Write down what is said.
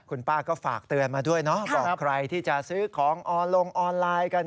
คุณป้าก็ฝากเตือนมาด้วยเนาะบอกใครที่จะซื้อของลงออนไลน์กัน